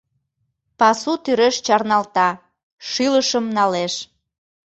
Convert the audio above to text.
Пасу тӱреш чарналта, шӱлышым налеш.